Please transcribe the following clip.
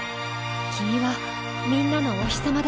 君はみんなのお日様だ。